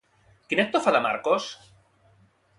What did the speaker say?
Quin actor fa de Marcos?